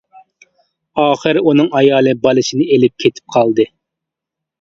ئاخىرى ئۇنىڭ ئايالى بالىسىنى ئېلىپ كېتىپ قالدى.